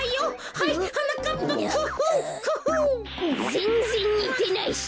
ぜんぜんにてないし！